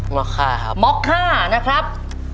็อกค่าครับม็อกค่านะครับ